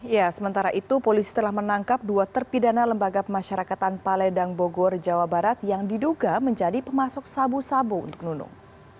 ya sementara itu polisi telah menangkap dua terpidana lembaga pemasyarakatan paledang bogor jawa barat yang diduga menjadi pemasok sabu sabu untuk nunung